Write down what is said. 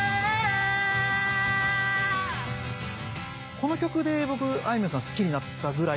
この曲で僕あいみょんさん好きになったぐらい